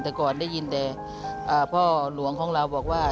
แต่ก่อนได้ยินแต่พ่อหลวงของเราบอกว่า